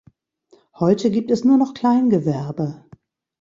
Heute gibt es nur noch Kleingewerbe.